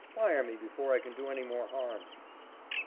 Fire me before I can do any more harm."